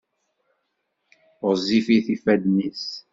Ɣezzifit yifadden-is.